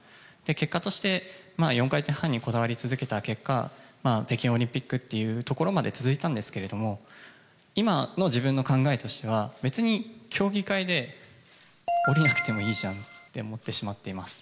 結果として、４回転半にこだわり続けた結果、北京オリンピックっていうところまで続いたんですけれども、今の自分の考えとしては、別に、競技会で下りなくてもいいじゃんって思ってしまっています。